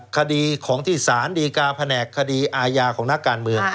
คดีของที่สารดีกาแผนกคดีอาญาของนักการเมือง